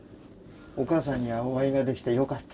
お母さんにはお会いができてよかった。